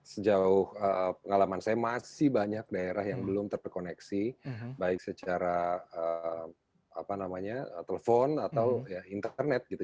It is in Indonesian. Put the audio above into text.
sejauh pengalaman saya masih banyak daerah yang belum terkoneksi baik secara telepon atau internet gitu